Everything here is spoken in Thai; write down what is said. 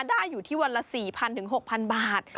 ได้อยู่ที่วันละ๔๐๐๖๐๐บาท